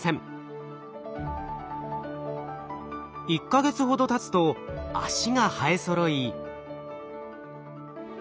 １か月ほどたつと足が生えそろい。